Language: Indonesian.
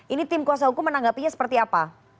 ini tim kuasa hukum menanggapinya seperti apa